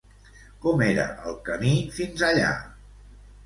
Com era el camí fins allà?